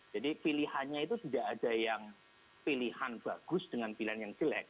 jadi pilihannya itu tidak ada yang pilihan bagus dengan pilihan yang jelek